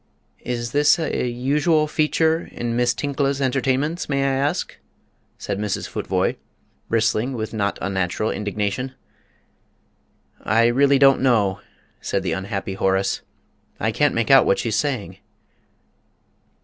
"Is this a usual feature in Miss Tinkla's entertainments, may I ask?" said Mrs. Futvoye, bristling with not unnatural indignation. "I really don't know," said the unhappy Horace; "I can't make out what she's saying."